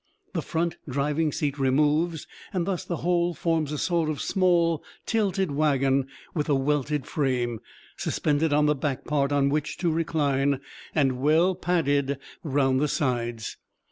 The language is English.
The front driving seat removes, and thus the whole forms a sort of small tilted wagon with a welted frame, suspended on the back part on which to recline, and well padded round the sides.